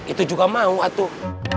itu juga mau atuh